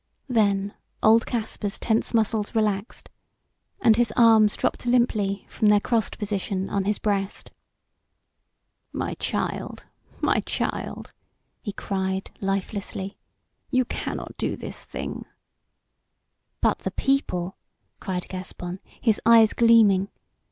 Then old Caspar's tense muscles relaxed and his arms dropped limply from their crossed position on his breast. "My child, my child!" he cried, lifelessly. "You cannot do this thing!" "But the people?" cried Gaspon, his eyes gleaming.